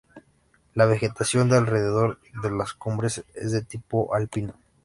La vegetación de alrededor de la cumbres es de tipo alpino.